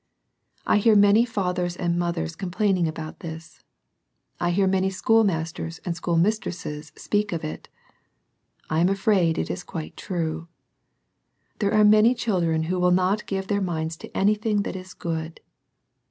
I hear many fathers and mothers complain ing about this. I hear many school masters and school mistresses speak of it. I am afraid it is quite true. There are many children who will not give their minds to anything that is good.